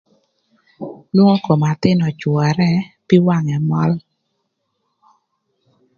Nwongo kom athïn öcwörë pii wangë möl.